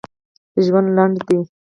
ژوند لنډ دی